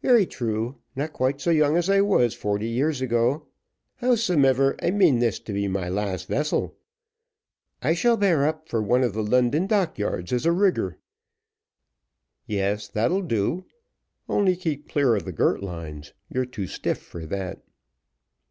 "Very true not quite so young as I was forty years ago. Howsomever I mean this to be my last vessel. I shall bear up for one of the London dock yards as a rigger." "Yes, that'll do; only keep clear of the girt lines, you're too stiff for that."